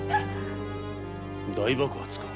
大爆発か。